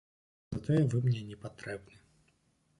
Затое вы мне не патрэбны.